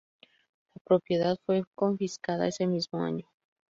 La propiedad fue confiscada ese mismo año.